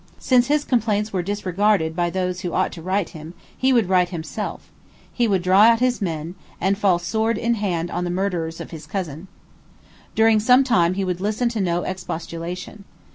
Since his complaints were disregarded by those who ought to right him, he would right himself: he would draw out his men, and fall sword in hand on the murderers of his cousin. During some time he would listen to no expostulation.